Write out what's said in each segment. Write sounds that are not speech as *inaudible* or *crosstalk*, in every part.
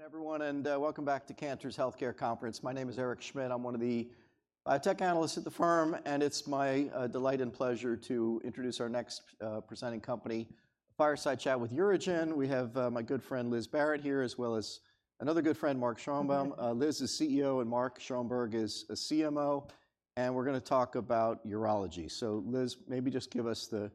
Good afternoon, everyone, and welcome back to Cantor's Healthcare Conference. My name is Eric Schmidt. I'm one of the Tech Analysts at the firm, and it's my delight and pleasure to introduce our next presenting company, Fireside Chat with UroGen. We have my good friend, Liz Barrett, here, as well as another good friend, Mark Schoenberg. Hi. Liz is CEO, and Mark Schoenberg is a CMO, and we're gonna talk about urology. So Liz, maybe just give us the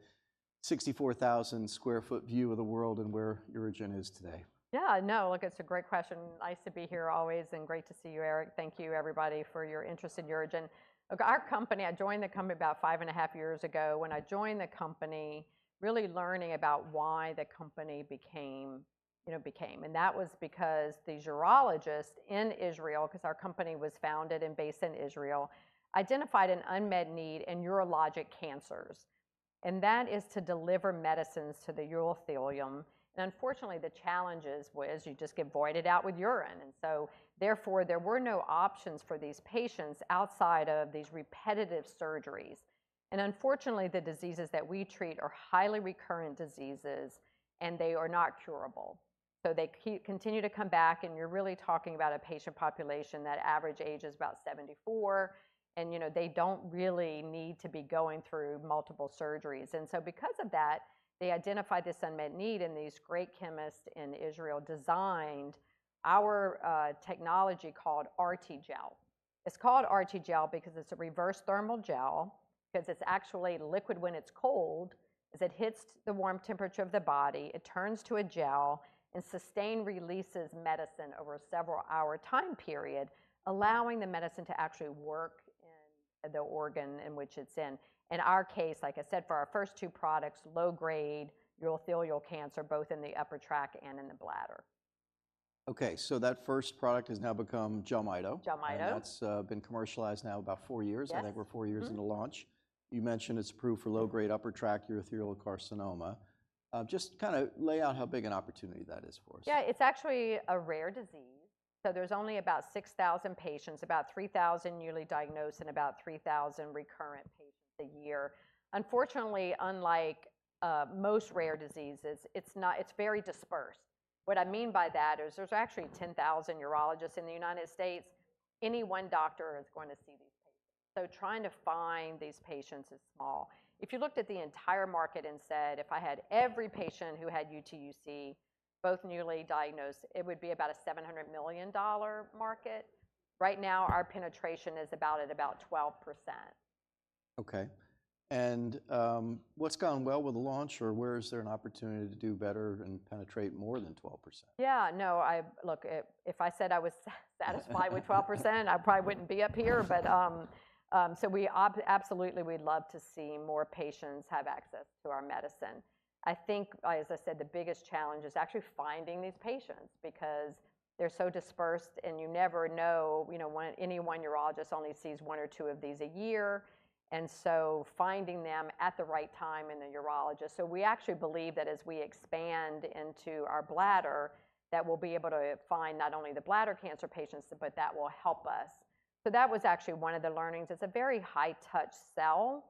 64,000 sq ft view of the world and where UroGen is today. Yeah, no, look, it's a great question. Nice to be here always, and great to see you, Eric. Thank you, everybody, for your interest in UroGen. Look, our company, I joined the company about five and a half years ago. When I joined the company, really learning about why the company became, you know, and that was because these urologists in Israel, because our company was founded and based in Israel, identified an unmet need in urologic cancers, and that is to deliver medicines to the urothelium. And unfortunately, the challenge is, is you just get voided out with urine, and so therefore, there were no options for these patients outside of these repetitive surgeries. And unfortunately, the diseases that we treat are highly recurrent diseases, and they are not curable. So they continue to come back, and you're really talking about a patient population, that average age is about 74, and, you know, they don't really need to be going through multiple surgeries. And so because of that, they identified this unmet need, and these great chemists in Israel designed our technology called RTGel. It's called RTGel because it's a reverse thermal gel, because it's actually liquid when it's cold. As it hits the warm temperature of the body, it turns to a gel and sustained releases medicine over a several-hour time period, allowing the medicine to actually work in the organ in which it's in. In our case, like I said, for our first two products, low-grade urothelial cancer, both in the upper tract and in the bladder. Okay, so that first product has now become JELMYTO? JELMYTO. And that's been commercialized now about four years? Yes. I think we're four years. Mm-hmm. Into launch. You mentioned it's approved for low-grade upper tract urothelial carcinoma. Just kinda lay out how big an opportunity that is for us. Yeah, it's actually a rare disease, so there's only about 6,000 patients, about 3,000 newly diagnosed and about 3,000 recurrent patients a year. Unfortunately, unlike most rare diseases, it's not. It's very dispersed. What I mean by that is, there's actually 10,000 urologists in the United States. Any one doctor is going to see these patients. So trying to find these patients is small. If you looked at the entire market and said, "If I had every patient who had UTUC, both newly diagnosed," it would be about a $700 million market. Right now, our penetration is about, at about 12%. Okay, and, what's gone well with the launch, or where is there an opportunity to do better and penetrate more than 12%? Yeah, no, I look, if I said I was satisfied with 12%, I probably wouldn't be up here. We absolutely would love to see more patients have access to our medicine. I think, as I said, the biggest challenge is actually finding these patients because they're so dispersed, and you never know, you know, when any one urologist only sees one or two of these a year, and so finding them at the right time in a urologist. We actually believe that as we expand into our bladder, that we'll be able to find not only the bladder cancer patients, but that will help us. That was actually one of the learnings. It's a very high-touch sell,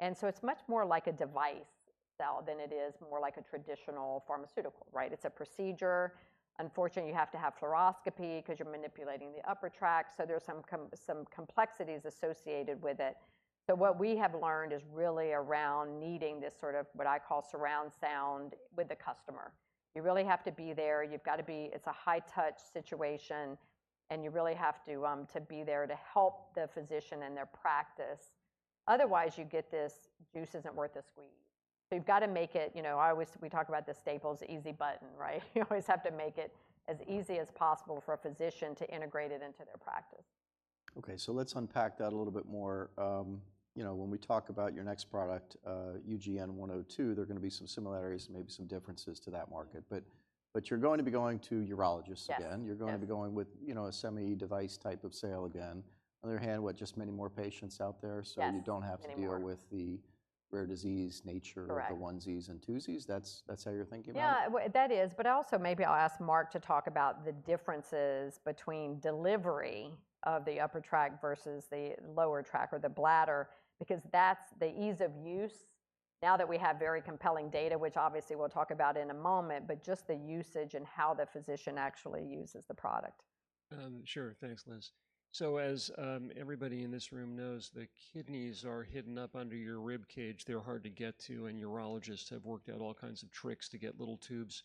and so it's much more like a device sell than it is more like a traditional pharmaceutical, right? It's a procedure. Unfortunately, you have to have fluoroscopy because you're manipulating the upper tract, so there's some complexities associated with it. So what we have learned is really around needing this sort of, what I call, surround sound with the customer. You really have to be there. You've got to be, it's a high-touch situation, and you really have to to be there to help the physician in their practice. Otherwise, you get this, "Juice isn't worth the squeeze." So you've got to make it, you know, I always we talk about the Staples Easy Button, right? You always have to make it as easy as possible for a physician to integrate it into their practice. Okay, so let's unpack that a little bit more. You know, when we talk about your next product, UGN-102, there are gonna be some similarities and maybe some differences to that market. But you're going to be going to urologists again. Yes, yes. You're going to be going with, you know, a semi-device type of sale again. On the other hand, what, just many more patients out there. Yes, many more. So you don't have to deal with the rare disease nature. Correct. Of the onesies and twosies. That's how you're thinking about it? Yeah, that is, but also, maybe I'll ask Mark to talk about the differences between delivery of the upper tract versus the lower tract or the bladder, because that's the ease of use, now that we have very compelling data, which obviously we'll talk about in a moment, but just the usage and how the physician actually uses the product. Sure. Thanks, Liz. So as everybody in this room knows, the kidneys are hidden up under your rib cage. They're hard to get to, and urologists have worked out all kinds of tricks to get little tubes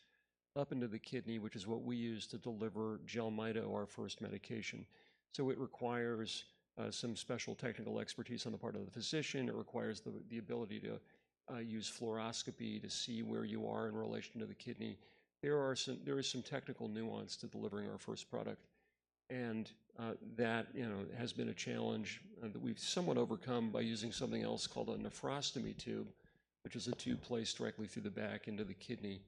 up into the kidney, which is what we use to deliver JELMYTO, our first medication. So it requires some special technical expertise on the part of the physician. It requires the ability to use fluoroscopy to see where you are in relation to the kidney. There is some technical nuance to delivering our first product, and that you know has been a challenge that we've somewhat overcome by using something else called a nephrostomy tube, which is a tube placed directly through the back into the kidney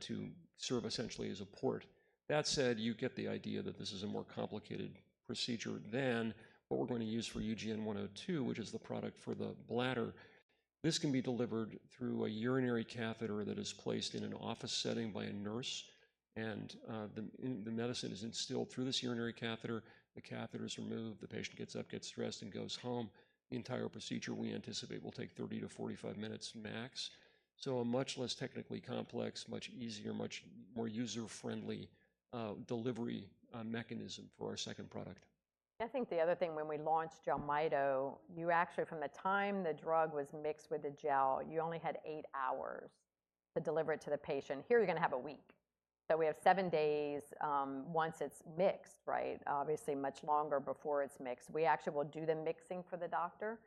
to serve essentially as a port. That said, you get the idea that this is a more complicated procedure than what we're going to use for UGN-102, which is the product for the bladder. This can be delivered through a urinary catheter that is placed in an office setting by a nurse, and the medicine is instilled through this urinary catheter. The catheter is removed, the patient gets up, gets dressed, and goes home. The entire procedure, we anticipate, will take 30-45 minutes max. So a much less technically complex, much easier, much more user-friendly delivery mechanism for our second product. I think the other thing when we launched JELMYTO, you actually, from the time the drug was mixed with the gel, you only had eight hours to deliver it to the patient. Here, you're gonna have a week. So we have seven days once it's mixed, right? Obviously, much longer before it's mixed. We actually will do the mixing for the doctor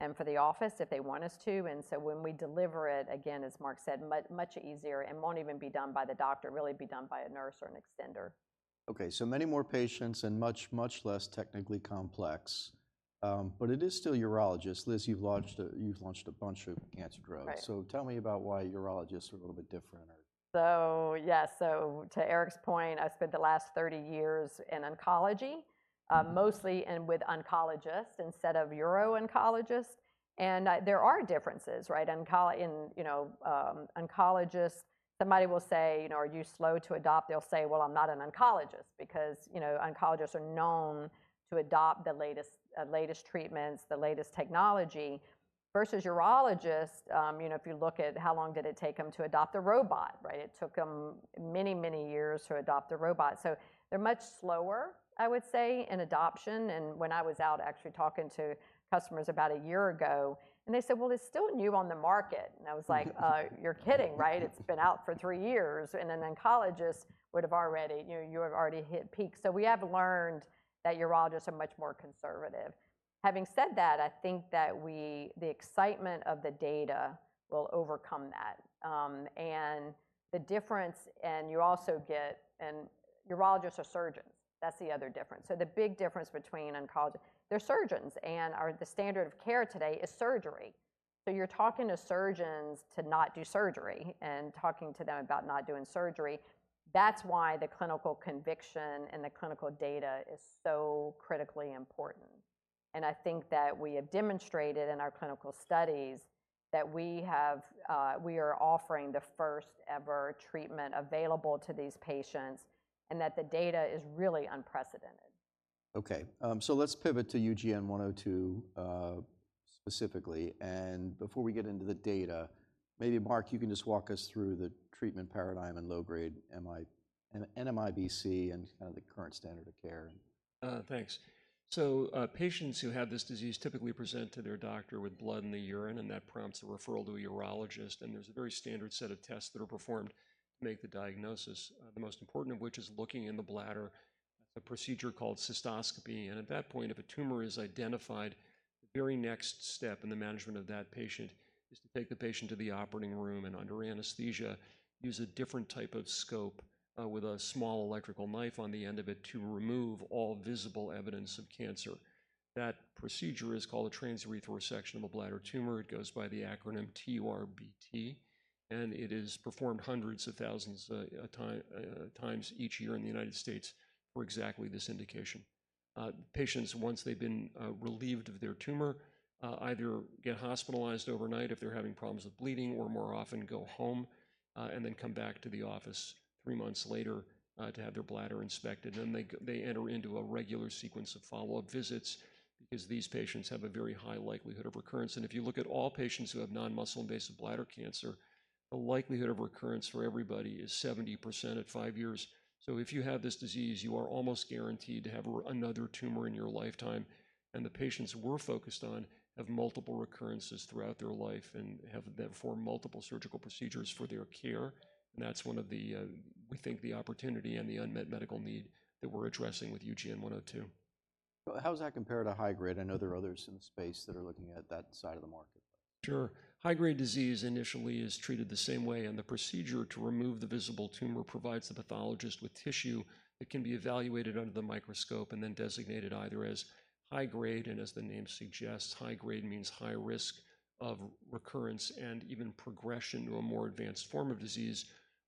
and for the office if they want us to, and so when we deliver it, again, as Mark said, much easier, and won't even be done by the doctor, really be done by a nurse or an extender. Okay, so many more patients and much, much less technically complex. But it is still urologists. Liz, you've launched a bunch of cancer drugs. Right. So tell me about why urologists are a little bit different or? So, yeah. So to Eric's point, I spent the last 30 years in oncology, mostly and with oncologists instead of uro-oncologists, and there are differences, right? You know, oncologists, somebody will say, "You know, are you slow to adopt?" They'll say, "Well, I'm not an oncologist," because, you know, oncologists are known to adopt the latest treatments, the latest technology. Versus urologists, you know, if you look at how long did it take them to adopt the robot, right? It took them many, many years to adopt the robot. So they're much slower, I would say, in adoption, and when I was out actually talking to customers about a year ago, and they said: "Well, it's still new on the market." And I was like: "You're kidding, right? It's been out for three years," and an oncologist would have already hit peak. So we have learned that urologists are much more conservative. Having said that, I think that the excitement of the data will overcome that, and the difference, and you also get. Urologists are surgeons. That's the other difference. So the big difference between oncologists. They're surgeons, and the standard of care today is surgery. So you're talking to surgeons to not do surgery and talking to them about not doing surgery. That's why the clinical conviction and the clinical data is so critically important, and I think that we have demonstrated in our clinical studies that we are offering the first-ever treatment available to these patients and that the data is really unprecedented. Okay, so let's pivot to UGN-102, specifically, and before we get into the data, maybe, Mark, you can just walk us through the treatment paradigm in low-grade NMIBC and kind of the current standard of care. Thanks. So, patients who have this disease typically present to their doctor with blood in the urine, and that prompts a referral to a urologist, and there's a very standard set of tests that are performed to make the diagnosis. The most important of which is looking in the bladder, a procedure called cystoscopy, and at that point, if a tumor is identified, the very next step in the management of that patient is to take the patient to the operating room and under anesthesia, use a different type of scope, with a small electrical knife on the end of it, to remove all visible evidence of cancer. That procedure is called a transurethral resection of the bladder tumor. It goes by the acronym TURBT, and it is performed hundreds of thousands of times each year in the United States for exactly this indication. Patients, once they've been relieved of their tumor, either get hospitalized overnight if they're having problems with bleeding, or more often go home, and then come back to the office three months later to have their bladder inspected. Then they enter into a regular sequence of follow-up visits because these patients have a very high likelihood of recurrence. And if you look at all patients who have non-muscle invasive bladder cancer, the likelihood of recurrence for everybody is 70% at five years. So if you have this disease, you are almost guaranteed to have another tumor in your lifetime, and the patients we're focused on have multiple recurrences throughout their life and have therefore multiple surgical procedures for their care, and that's one of the, we think, the opportunity and the unmet medical need that we're addressing with UGN-102. How does that compare to high-grade? I know there are others in the space that are looking at that side of the market. Sure. High-grade disease initially is treated the same way, and the procedure to remove the visible tumor provides the pathologist with tissue that can be evaluated under the microscope and then designated either as high grade, and as the name suggests, high grade means high risk of recurrence and even progression to a more advanced form of disease,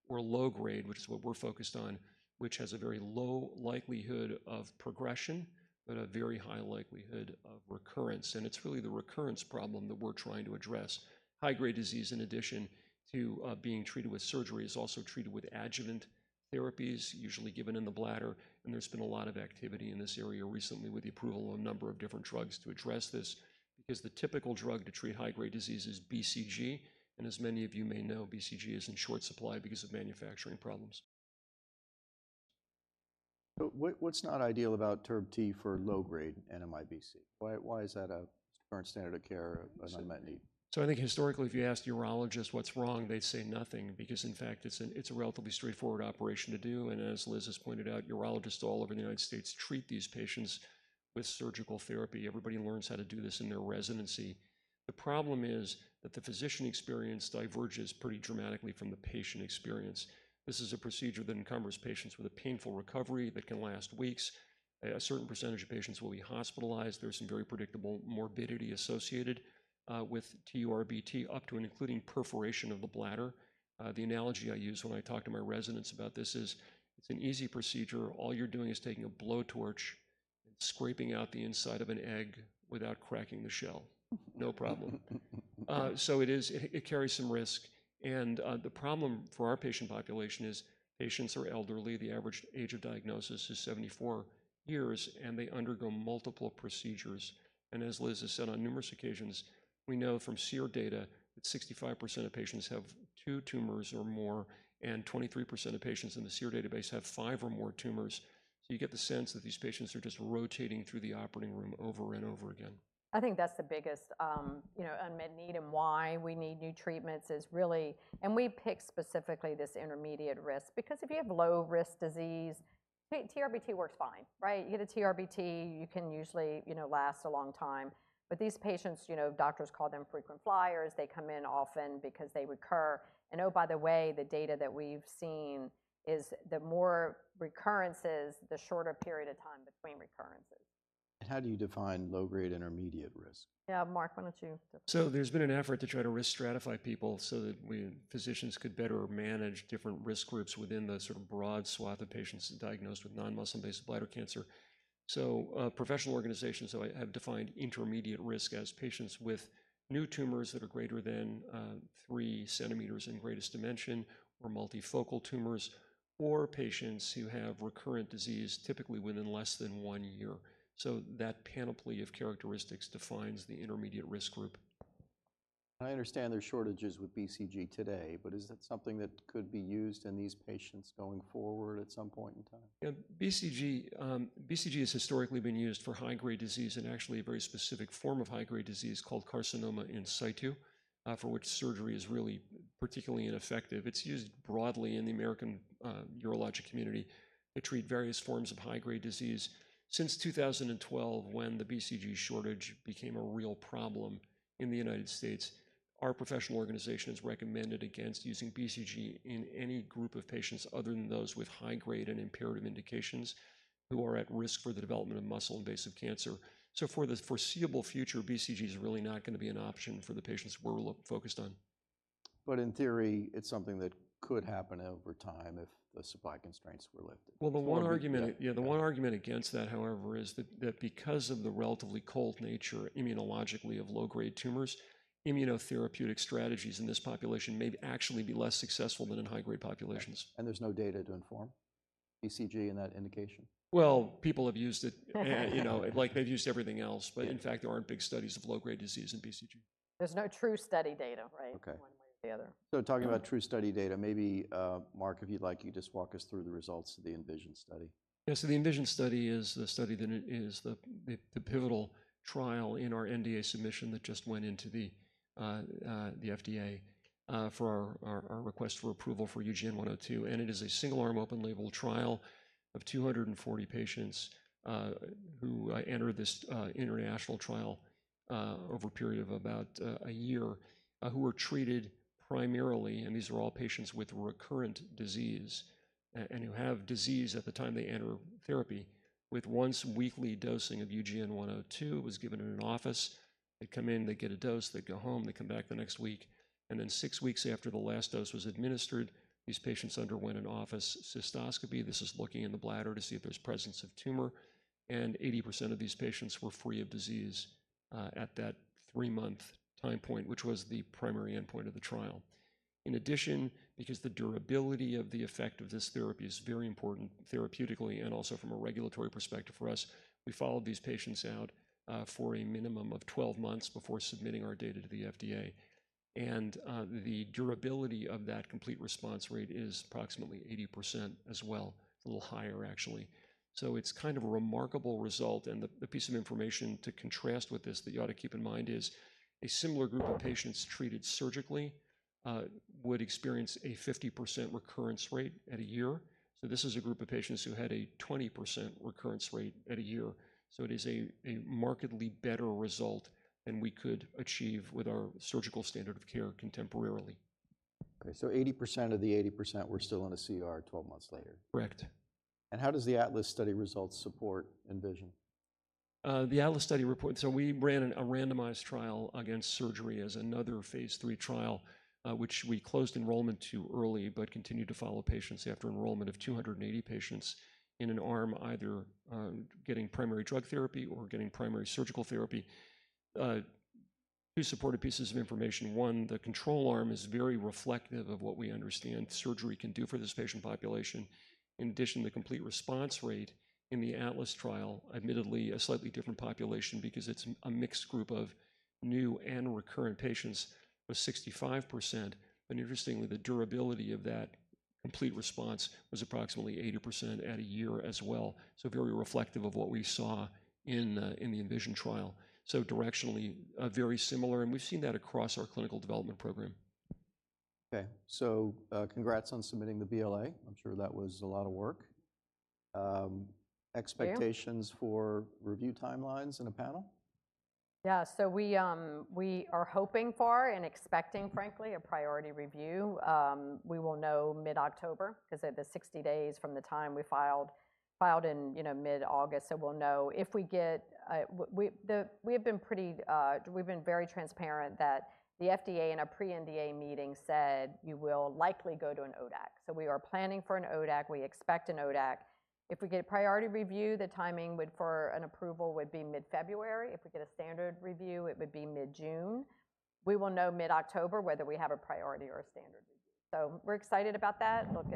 or low grade, which is what we're focused on, which has a very low likelihood of progression, but a very high likelihood of recurrence, and it's really the recurrence problem that we're trying to address. High-grade disease, in addition to being treated with surgery, is also treated with adjuvant therapies, usually given in the bladder, and there's been a lot of activity in this area recently with the approval of a number of different drugs to address this. Because the typical drug to treat high-grade disease is BCG, and as many of you may know, BCG is in short supply because of manufacturing problems. So what, what's not ideal about TURBT for low-grade NMIBC? Why, why is that a current standard of care, unmet need? I think historically, if you asked urologists what's wrong, they'd say nothing, because in fact, it's a relatively straightforward operation to do, and as Liz has pointed out, urologists all over the United States treat these patients with surgical therapy. Everybody learns how to do this in their residency. The problem is that the physician experience diverges pretty dramatically from the patient experience. This is a procedure that encumbers patients with a painful recovery that can last weeks. A certain percentage of patients will be hospitalized. There's some very predictable morbidity associated with TURBT, up to and including perforation of the bladder. The analogy I use when I talk to my residents about this is: It's an easy procedure. All you're doing is scraping out the inside of an egg without cracking the shell. No problem. So it carries some risk, and the problem for our patient population is patients are elderly. The average age of diagnosis is 74 years, and they undergo multiple procedures. And as Liz has said on numerous occasions, we know from SEER data that 65% of patients have two tumors or more, and 23% of patients in the SEER database have five or more tumors. So you get the sense that these patients are just rotating through the operating room over and over again. I think that's the biggest, you know, unmet need and why we need new treatments is really. And we picked specifically this intermediate risk, because if you have low-risk disease, TURBT works fine, right? You get a TURBT, you can usually, you know, last a long time. But these patients, you know, doctors call them frequent flyers. They come in often because they recur. And oh, by the way, the data that we've seen is the more recurrences, the shorter period of time between recurrences. How do you define low-grade intermediate risk? Yeah, Mark, why don't you? So there's been an effort to try to risk stratify people so that we, physicians, could better manage different risk groups within the sort of broad swath of patients diagnosed with non-muscle invasive bladder cancer. So, professional organizations have defined intermediate risk as patients with new tumors that are greater than 3 cm in greatest dimension or multifocal tumors, or patients who have recurrent disease, typically within less than one year. So that panoply of characteristics defines the intermediate risk group. I understand there's shortages with BCG today, but is that something that could be used in these patients going forward at some point in time? Yeah. BCG has historically been used for high-grade disease and actually a very specific form of high-grade disease called carcinoma in situ, for which surgery is really particularly ineffective. It's used broadly in the American urologic community to treat various forms of high-grade disease. Since 2012, when the BCG shortage became a real problem in the United States, our professional organization has recommended against using BCG in any group of patients other than those with high-grade and imperative indications, who are at risk for the development of muscle-invasive cancer. So for the foreseeable future, BCG is really not gonna be an option for the patients we're focused on. But in theory, it's something that could happen over time if the supply constraints were lifted? The one argument. Yeah. Yeah, the one argument against that, however, is that because of the relatively cold nature, immunologically, of low-grade tumors, immunotherapeutic strategies in this population may actually be less successful than in high-grade populations. There's no data to inform BCG in that indication? People have used it, you know, like they've used everything else, but in fact, there aren't big studies of low-grade disease in BCG. There's no true study data, right? Okay. One way or the other. Talking about true study data, maybe, Mark, if you'd like, you just walk us through the results of the ENVISION study. Yeah. So the ENVISION study is the study that is the pivotal trial in our NDA submission that just went into the FDA for our request for approval for UGN-102, and it is a single-arm, open label trial of 240 patients who entered this international trial over a period of about a year who were treated primarily, and these are all patients with recurrent disease and who have disease at the time they enter therapy, with once weekly dosing of UGN-102. It was given in an office. They come in, they get a dose, they go home, they come back the next week. And then six weeks after the last dose was administered, these patients underwent an office cystoscopy. This is looking in the bladder to see if there's presence of tumor, and 80% of these patients were free of disease at that three-month time point, which was the primary endpoint of the trial. In addition, because the durability of the effect of this therapy is very important therapeutically and also from a regulatory perspective for us, we followed these patients out for a minimum of 12 months before submitting our data to the FDA. And the durability of that complete response rate is approximately 80% as well. A little higher, actually. So it's kind of a remarkable result, and the piece of information to contrast with this that you ought to keep in mind is, a similar group of patients treated surgically would experience a 50% recurrence rate at a year. This is a group of patients who had a 20% recurrence rate at a year. It is a markedly better result than we could achieve with our surgical standard of care contemporarily. Okay, so 80% of the 80% were still in a CR 12 months later? Correct. How does the ATLAS study results support ENVISION? The ATLAS study report. So we ran a randomized trial against surgery as another phase III trial, which we closed enrollment too early, but continued to follow patients after enrollment of 280 patients in an arm, either getting primary drug therapy or getting primary surgical therapy. Two supportive pieces of information: one, the control arm is very reflective of what we understand surgery can do for this patient population. In addition, the complete response rate in the ATLAS trial, admittedly, a slightly different population because it's a mixed group of new and recurrent patients, was 65%. And interestingly, the durability of that complete response was approximately 80% at a year as well. So very reflective of what we saw in the ENVISION trial. So directionally, very similar, and we've seen that across our clinical development program. Okay. So, congrats on submitting the BLA. I'm sure that was a lot of work. Yeah. Expectations for review timelines in a panel? Yeah, so we are hoping for and expecting, frankly, a priority review. We will know mid-October because at the 60 days from the time we filed, filed in, you know, mid-August, so we'll know. If we get, we have been pretty, we've been very transparent that the FDA in our pre-NDA meeting said, "You will likely go to an ODAC." So we are planning for an ODAC. We expect an ODAC. If we get a priority review, the timing would, for an approval, would be mid-February. If we get a standard review, it would be mid-June. We will know mid-October whether we have a priority or a standard review. So we're excited about that. Look,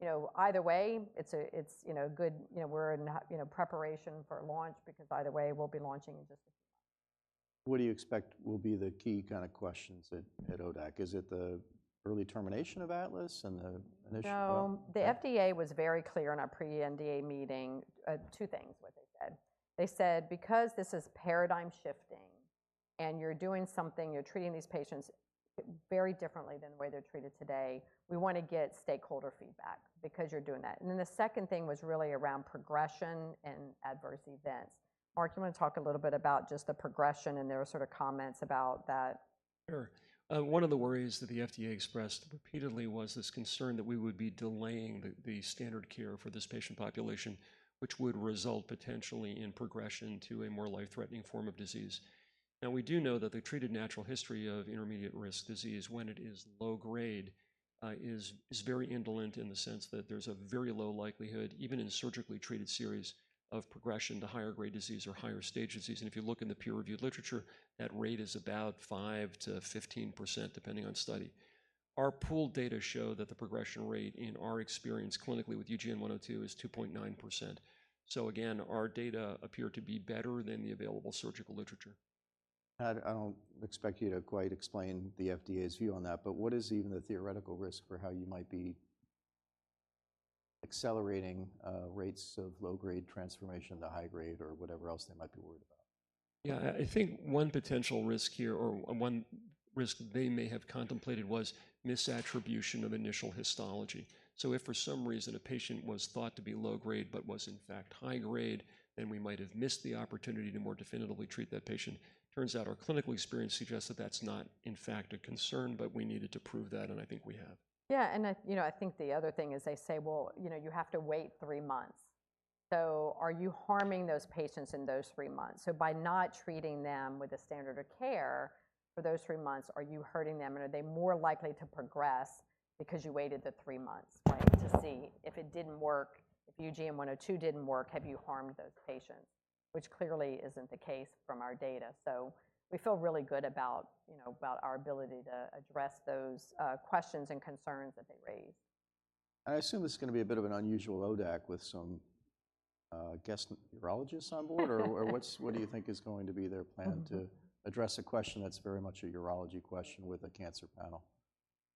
you know, either way, it's good, you know, we're in preparation for launch, because either way, we'll be launching in just a few months. What do you expect will be the key kind of questions at ODAC? Is it the early termination of ATLAS and the? *crosstalk* No. *crosstalk* The FDA was very clear in our pre-NDA meeting. Two things, what they said. They said, "Because this is paradigm shifting, and you're doing something, you're treating these patients very differently than the way they're treated today, we wanna get stakeholder feedback because you're doing that, and then the second thing was really around progression and adverse events." Mark, you wanna talk a little bit about just the progression and their sort of comments about that? Sure. One of the worries that the FDA expressed repeatedly was this concern that we would be delaying the standard care for this patient population, which would result potentially in progression to a more life-threatening form of disease. Now, we do know that the treated natural history of intermediate-risk disease, when it is low grade, is very indolent in the sense that there's a very low likelihood, even in surgically treated series, of progression to higher grade disease or higher stage disease. And if you look in the peer-reviewed literature, that rate is about 5%-15%, depending on study. Our pooled data show that the progression rate in our experience clinically with UGN-102 is 2.9%. So again, our data appear to be better than the available surgical literature. I don't expect you to quite explain the FDA's view on that, but what is even the theoretical risk for how you might be accelerating rates of low-grade transformation to high grade or whatever else they might be worried about? Yeah, I think one potential risk here or one risk they may have contemplated was misattribution of initial histology. So if for some reason, a patient was thought to be low grade but was, in fact, high grade, then we might have missed the opportunity to more definitively treat that patient. Turns out our clinical experience suggests that that's not, in fact, a concern, but we needed to prove that, and I think we have. Yeah, and I, you know, I think the other thing is they say: "Well, you know, you have to wait three months." So are you harming those patients in those three months? So by not treating them with the standard of care for those three months, are you hurting them, and are they more likely to progress because you waited the three months, right? To see if it didn't work, if UGN-102 didn't work, have you harmed those patients? Which clearly isn't the case from our data, so we feel really good about, you know, about our ability to address those questions and concerns that they raised. I assume this is gonna be a bit of an unusual ODAC with some guest urologists on board? Or, what do you think is going to be their plan? Mm-hmm. To address a question that's very much a urology question with a cancer panel?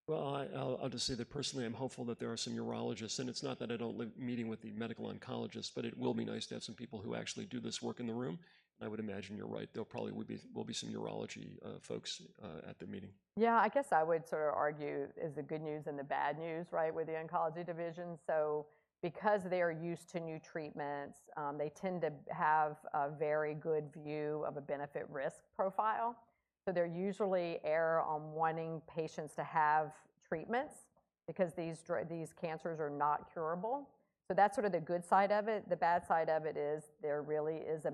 I'll just say that personally, I'm hopeful that there are some urologists, and it's not that I don't like meeting with the medical oncologist, but it will be nice to have some people who actually do this work in the room. I would imagine you're right. There probably will be some urology folks at the meeting. Yeah, I guess I would sort of argue is the good news and the bad news, right, with the oncology division. So because they are used to new treatments, they tend to have a very good view of a benefit-risk profile. So they're usually err on wanting patients to have treatments because these cancers are not curable, so that's sort of the good side of it. The bad side of it is there really is a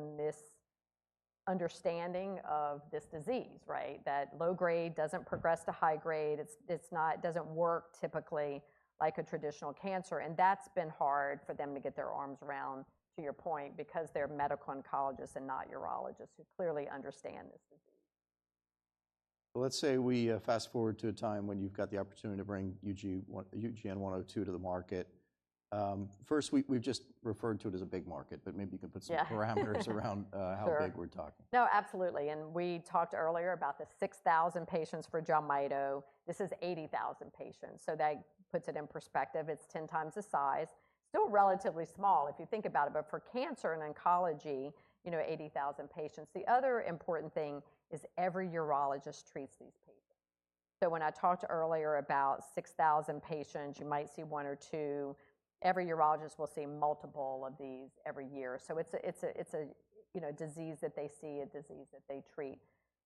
misunderstanding of this disease, right? That low grade doesn't progress to high grade. It's not. It doesn't work typically like a traditional cancer, and that's been hard for them to get their arms around, to your point, because they're medical oncologists and not urologists, who clearly understand this disease. Let's say we fast-forward to a time when you've got the opportunity to bring UGN-102 to the market. First, we've just referred to it as a big market, but maybe you can put some. Yeah. Parameters around. Sure. How big we're talking? No, absolutely, and we talked earlier about the 6,000 patients for JELMYTO. This is 80,000 patients, so that puts it in perspective. It's 10 times the size. Still relatively small, if you think about it, but for cancer and oncology, you know, 80,000 patients. The other important thing is every urologist treats these patients. So when I talked earlier about 6,000 patients, you might see one or two. Every urologist will see multiple of these every year, so it's a, you know, disease that they see, a disease that they treat.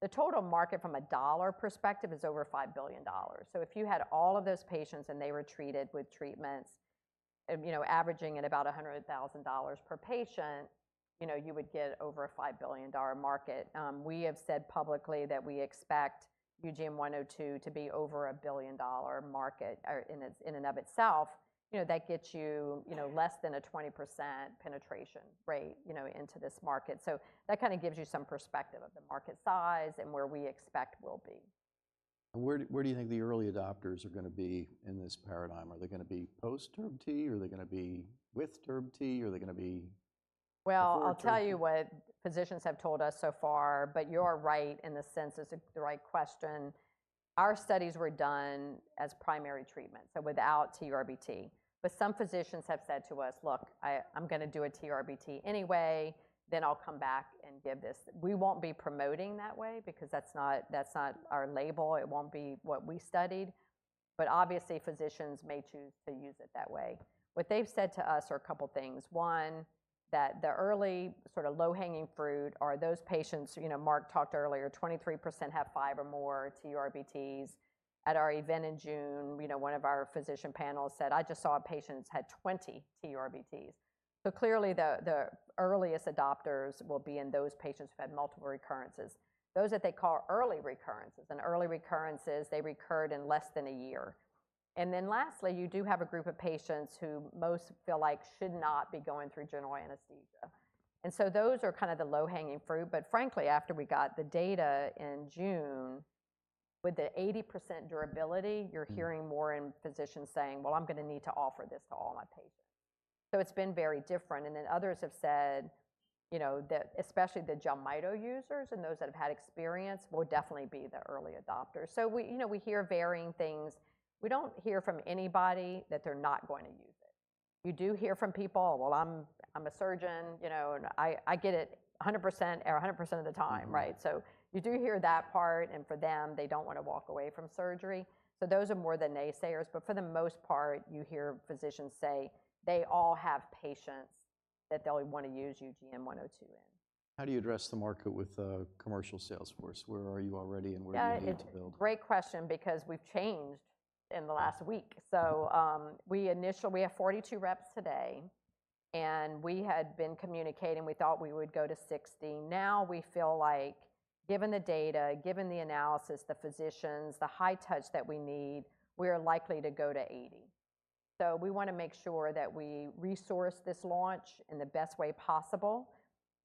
The total market from a dollar perspective is over $5 billion. So if you had all of those patients, and they were treated with treatments, you know, averaging at about $100,000 per patient, you know, you would get over a $5 billion market. We have said publicly that we expect UGN-102 to be over a $1 billion market, or in and of itself. You know, that gets you, you know, less than a 20% penetration rate, you know, into this market. So that kind of gives you some perspective of the market size and where we expect we'll be. Where, where do you think the early adopters are gonna be in this paradigm? Are they gonna be post-TURBT? Are they gonna be with TURBT? Are they gonna be? Well. Before TURBT? I'll tell you what physicians have told us so far, but you're right in the sense it's the right question. Our studies were done as primary treatment, so without TURBT. But some physicians have said to us, "Look, I'm gonna do a TURBT anyway, then I'll come back and give this." We won't be promoting that way because that's not, that's not our label. It won't be what we studied, but obviously, physicians may choose to use it that way. What they've said to us are a couple things: One, that the early sort of low-hanging fruit are those patients, you know, Mark talked earlier, 23% have five or more TURBTs. At our event in June, you know, one of our physician panels said, "I just saw a patient who had 20 TURBTs." So clearly, the earliest adopters will be in those patients who've had multiple recurrences. Those that they call early recurrences, and early recurrences, they recurred in less than a year. And then lastly, you do have a group of patients who most feel like should not be going through general anesthesia. And so those are kind of the low-hanging fruit, but frankly, after we got the data in June, with the 80% durability, you're hearing more physicians saying, "Well, I'm gonna need to offer this to all my patients." So it's been very different, and then others have said, you know, that especially the JELMYTO users and those that have had experience will definitely be the early adopters. So we, you know, we hear varying things. We don't hear from anybody that they're not going to use it. We do hear from people, "Well, I'm a surgeon, you know, and I get it 100% or 100% of the time," right? So you do hear that part, and for them, they don't wanna walk away from surgery, so those are more the naysayers. But for the most part, you hear physicians say they all have patients that they'll want to use UGN-102 in. How do you address the market with a commercial sales force? Where are you already, and where do you need to build? Yeah, it's a great question because we've changed in the last week. So, we have 42 reps today, and we had been communicating. We thought we would go to 60. Now, we feel like, given the data, given the analysis, the physicians, the high touch that we need, we are likely to go to 80. So we wanna make sure that we resource this launch in the best way possible,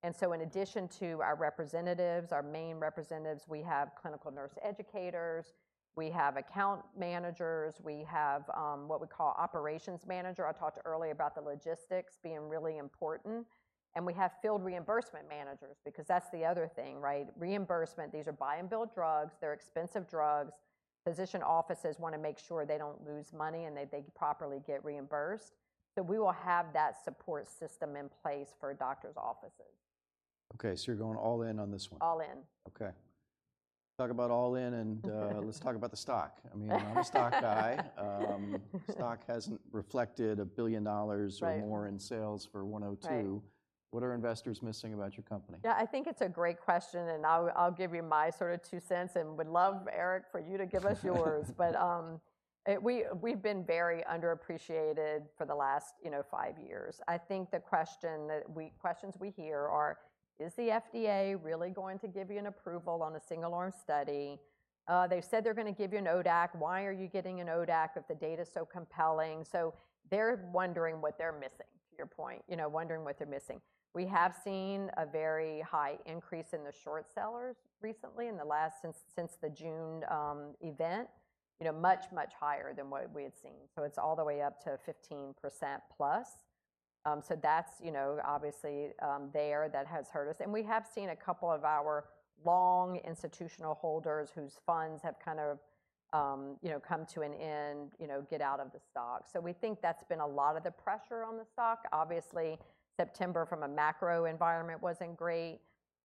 and so in addition to our representatives, our main representatives, we have clinical nurse educators, we have account managers, we have, what we call operations manager. I talked earlier about the logistics being really important, and we have field reimbursement managers because that's the other thing, right? Reimbursement, these are buy and bill drugs. They're expensive drugs. Physician offices wanna make sure they don't lose money and that they properly get reimbursed. We will have that support system in place for doctors' offices. Okay, so you're going all in on this one? All in. Okay. Talk about all in, and, let's talk about the stock. I mean, I'm a stock guy. Stock hasn't reflected $1 billion. Right. Or more in sales for 102. Right. What are investors missing about your company? Yeah, I think it's a great question, and I'll give you my sort of two cents and would love, Eric, for you to give us yours. But it. We've been very underappreciated for the last, you know, five years. I think the questions we hear are, "Is the FDA really going to give you an approval on a single-arm study? They've said they're gonna give you an ODAC. Why are you getting an ODAC if the data's so compelling?" So they're wondering what they're missing, to your point. You know, wondering what they're missing. We have seen a very high increase in the short sellers recently in the last, since the June event. You know, much higher than what we had seen. So it's all the way up to 15%+. So that's, you know, obviously, there. That has hurt us, and we have seen a couple of our long institutional holders whose funds have kind of, you know, come to an end, you know, get out of the stock. So we think that's been a lot of the pressure on the stock. Obviously, September from a macro environment wasn't great,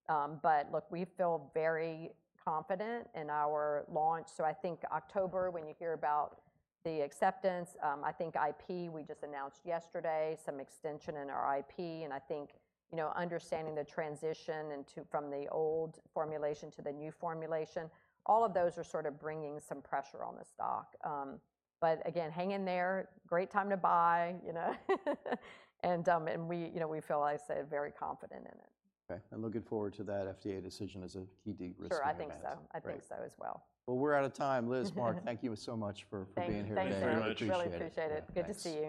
but look, we feel very confident in our launch. So I think October, when you hear about the acceptance, I think IP, we just announced yesterday, some extension in our IP, and I think, you know, understanding the transition into, from the old formulation to the new formulation, all of those are sort of bringing some pressure on the stock. But again, hang in there. Great time to buy, you know? We, you know, feel, I say, very confident in it. Okay, I'm looking forward to that FDA decision as a key de-risking event. Sure, I think so. Great. I think so as well. We're out of time. Liz, Mark, thank you so much for being here today. Thank you. Thank you very much. Really appreciate it. Yeah, thanks. Good to see you.